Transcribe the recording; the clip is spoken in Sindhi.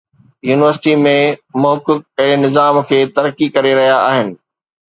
يونيورسٽي ۾ محقق اهڙي نظام کي ترقي ڪري رهيا آهن